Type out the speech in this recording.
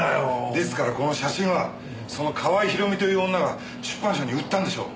ですからこの写真はその川合ひろみという女が出版社に売ったんでしょう。